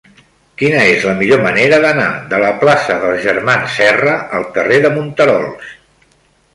Quina és la millor manera d'anar de la plaça dels Germans Serra al carrer de Monterols?